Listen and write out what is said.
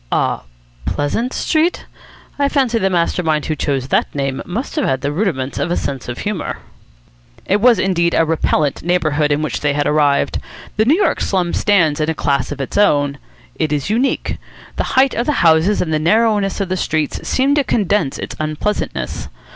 Ah, Pleasant Street? I fancy that the master mind who chose that name must have had the rudiments of a sense of humour." It was indeed a repellent neighbourhood in which they had arrived. The New York slum stands in a class of its own. It is unique. The height of the houses and the narrowness of the streets seem to condense its unpleasantness.